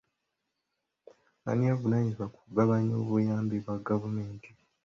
Ani avunaanyizibwa ku kugabanya obuyambi bwa gavumenti.